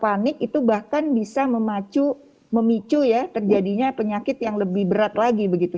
panik itu bahkan bisa memicu ya terjadinya penyakit yang lebih berat lagi begitu